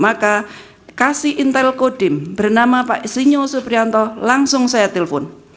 maka kasih intel kodim bernama pak esinyo supriyanto langsung saya telpon